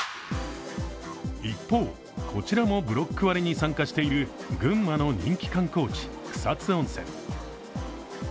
一方、こちらもブロック割に参加している群馬の人気観光地・草津温泉。